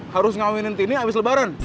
harus ngawinin tini abis lebaran